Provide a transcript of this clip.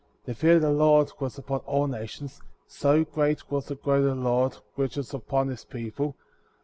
The fear of the Lord was upon all nations, so great was the glory of the Lord, which was upon his people.